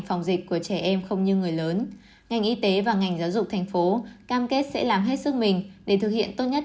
phòng dịch của trẻ em không như người lớn ngành y tế và ngành giáo dục thành phố cam kết sẽ làm hết sức mình để thực hiện tốt nhất